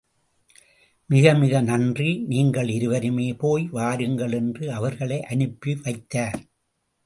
மிக மிக நன்றி, நீங்கள் இருவருமே போய் வாருங்கள் என்று அவர்களை அனுப்பி வைத்தார்.